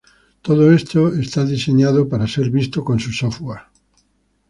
Todo esto es diseñado para ser visto con su software.